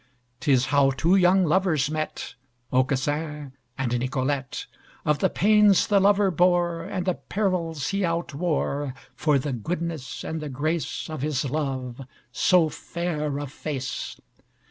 'Tis how two young lovers met, Aucassin and Nicolette; Of the pains the lover bore, And the perils he outwore, For the goodness and the grace Of his love, so fair of face.